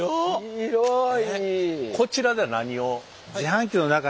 広い。